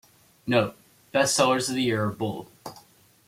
Note: best sellers of the year are bold.